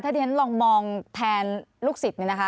ถ้าเจ้านั้นลองมองแทนลูกศิษย์เนี่ยนะคะ